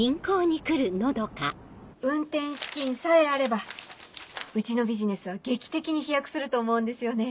運転資金さえあればうちのビジネスは劇的に飛躍すると思うんですよね。